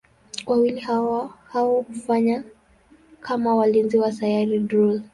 Wawili hao hufanya kama walinzi wa Sayari Drool.